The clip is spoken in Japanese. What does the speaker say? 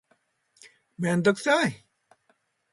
めんどくさい